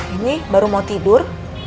ini baru mau tidur